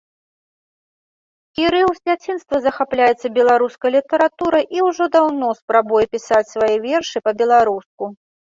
Кірыл з дзяцінства захапляецца беларускай літаратурай і ўжо даўно спрабуе пісаць свае вершы па-беларуску.